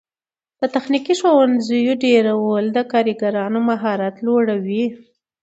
د تخنیکي ښوونځیو ډیرول د کارګرانو مهارت لوړوي.